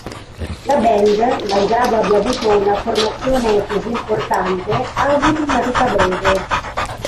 La band, malgrado abbia avuto una formazione così importante, ha avuto una vita breve.